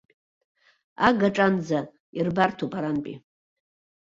Агаҿанӡа ирбарҭоуп арантәи.